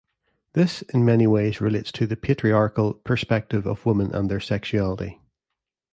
This, in many ways relates to the patriarchal perspective of women and their sexuality.